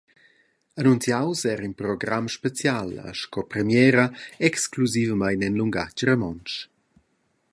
Annunziaus era in program special e sco premiera exclusivamein en lungatg romontsch.